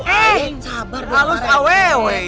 eh sabar berparah